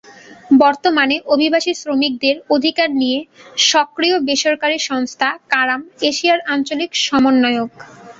বর্তমানে অভিবাসী শ্রমিকদের অধিকার নিয়ে সক্রিয় বেসরকারি সংস্থা কারাম এশিয়ার আঞ্চলিক সমন্বয়ক।